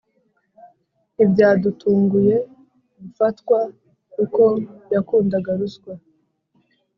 Ntibyadutunguye gufatwa kuko yakundaga ruswa